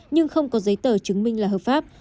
nhưng không có giấy tờ chứng minh là hợp pháp